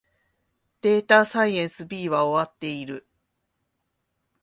データサイエンス B は終わっている